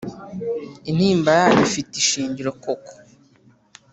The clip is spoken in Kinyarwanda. Intimba yanyu ifite ishingiro koko